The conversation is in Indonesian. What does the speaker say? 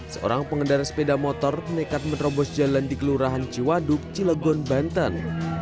seorang pengendara sepeda motor nekat menerobos jalan di kelurahan ciwaduk cilegon banten